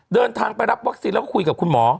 เดินทางไปรับวัคซีนแล้วก็คุยกับคุณหมอ